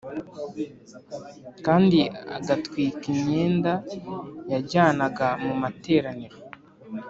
kandi agatwika imyenda yajyanaga mu materaniro